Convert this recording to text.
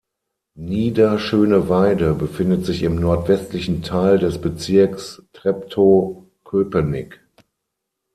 Niederschöneweide befindet sich im nordwestlichen Teil des Bezirks Treptow-Köpenick.